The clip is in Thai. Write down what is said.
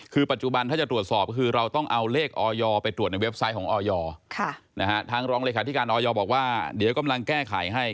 คือปัจจุบันถ้าจะตรวจสอบคือเราต้องเอาเลขออยไปตรวจในเว็บไซต์ของออยทางรองเลขาธิการออยบอกว่าเดี๋ยวกำลังแก้ไขให้